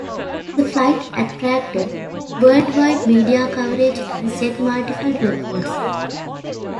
The flight attracted world wide media coverage and set multiple records.